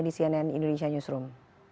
di cnn indonesia newsroom